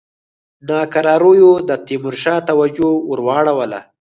ناکراریو د تیمورشاه توجه ور واړوله.